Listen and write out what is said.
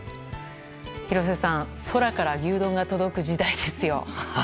廣瀬さん、空から牛丼が届く時代ですよ。